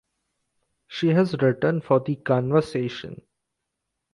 She has written for The Conversation.